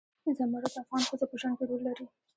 زمرد د افغان ښځو په ژوند کې رول لري.